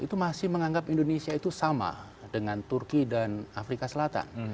itu masih menganggap indonesia itu sama dengan turki dan afrika selatan